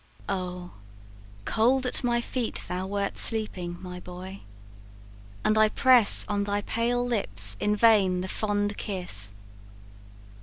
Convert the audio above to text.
"Oh, cold at my feet thou wert sleeping, my boy, And I press on thy pale lips in vain the fond kiss!